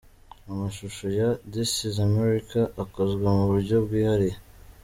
Amashusho ya ‘This Is America’ akozwe mu buryo bwihariye.